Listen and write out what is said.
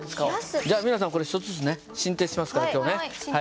じゃあ皆さんこれ１つずつね進呈しますから今日ね。